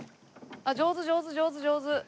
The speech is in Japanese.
あっ上手上手上手上手。